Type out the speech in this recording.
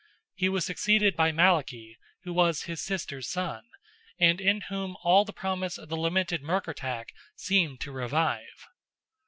He was succeeded by Malachy, who was his sister's son, and in whom all the promise of the lamented Murkertach seemed to revive.